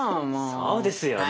そうですよね。